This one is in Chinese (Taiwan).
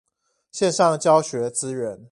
線上教學資源